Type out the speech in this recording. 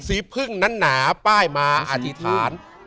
สีพึ่งนั้นหนาป้ายมาอธิษฐาน